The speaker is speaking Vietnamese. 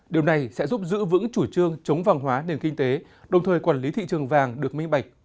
điều này sẽ giúp giữ vững chủ trương chống vàng hóa nền kinh tế đồng thời quản lý thị trường vàng được minh bạch